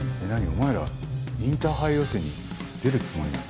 お前らインターハイ予選に出るつもりなの？